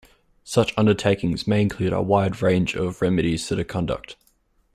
Such undertakings may include a wide range of remedies to the conduct.